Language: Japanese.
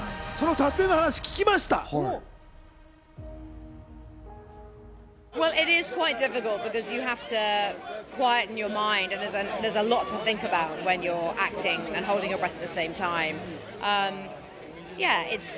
その撮影の話を聞きました。